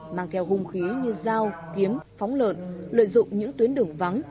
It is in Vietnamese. vũ khí như dao kiếm phóng lợn lợi dụng những tuyến đường vắng